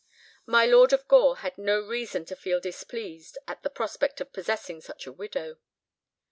My Lord of Gore had no reason to feel displeased at the prospect of possessing such a widow.